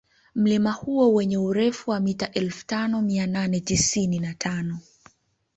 Mlima huo wenye urefu wa mita elfu tano mia nane tisini na tano